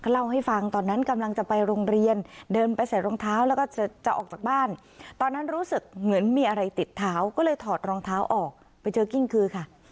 เล่าให้ฟังตอนนั้นกำลังจะไปโรงเรียนเดินไปใส่รองเท้าแล้วก็จะออกจากบ้านตอนนั้นรู้สึกเหมือนมีอะไรติดเท้าก็เลยถอดรองเท้าออกไปเจอกิ้งกือค่ะ